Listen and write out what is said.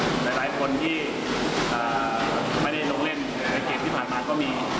หลายคนที่ไม่ได้ลงเล่นในเกมที่ผ่านมาก็มี